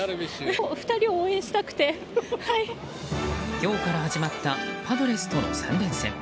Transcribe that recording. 今日から始まったパドレスとの３連戦。